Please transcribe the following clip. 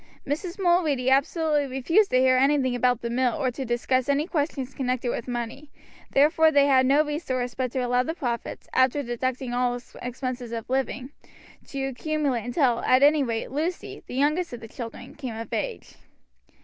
Mrs. Mulready absolutely refused to hear anything about the mill or to discuss any questions connected with money, therefore they had no resource but to allow the profits, after deducting all expenses of living, to accumulate until, at any rate, Lucy, the youngest of the children, came of age.